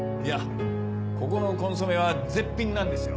ここのコンソメは絶品なんですよ。